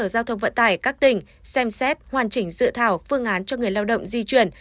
sở giao thông vận tải các tỉnh xem xét hoàn chỉnh dự thảo phương án cho người lao động di chuyển